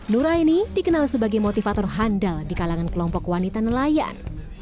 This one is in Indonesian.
nuraini dikenal sebagai motivator handal di kalangan kelompok wanita nelayan